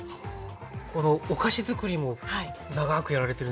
このお菓子づくりも長くやられてるんですか？